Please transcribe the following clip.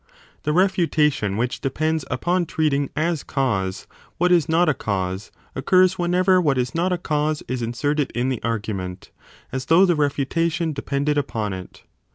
20 The refutation which depends upon treating as cause what is not a cause, occurs whenever what is not a cause is inserted in the argument, as though the refutation de pended upon it.